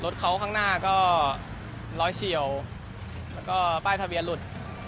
รถเขาข้างหน้าก็ร้อยเฉียวแล้วก็ป้ายทะเบียนหลุด